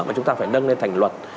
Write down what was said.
mà chúng ta phải nâng lên thành luật